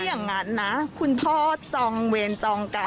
อย่างนั้นนะคุณพ่อจองเวรจองกัน